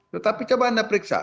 tetapi coba anda periksa